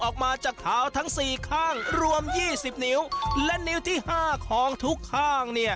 ออกมาจากเท้าทั้ง๔ข้างรวม๒๐นิ้วและนิ้วที่๕ของทุกข้าง